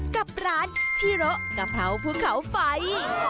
กับร้านชิโระกระเภาพื้นเขาฝัย